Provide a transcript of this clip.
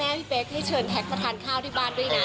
อะไรเหอะครับ